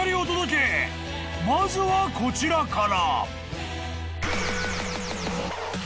［まずはこちらから］